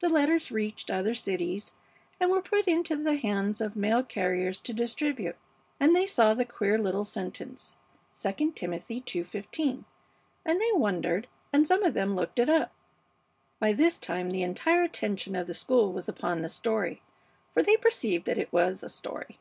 The letters reached other cities and were put into the hands of mail carriers to distribute, and they saw the queer little sentence, 'II Timothy ii:15,' and they wondered, and some of them looked it up." By this time the entire attention of the school was upon the story, for they perceived that it was a story.